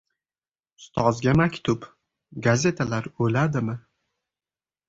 Ustozga maktub: «Gazetalar o‘ladimi?»